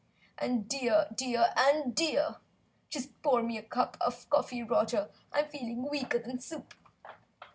and MY! Dear, dear and DEAR! Just pour me a cup of coffee, Roger. I'm feeling weaker than soup!"